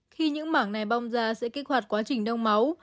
khi những mảng này bong ra sẽ kích hoạt quá trình đông máu